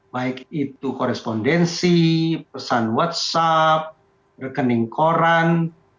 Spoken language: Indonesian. baik itu korespondensi pesan whatsapp rekening koran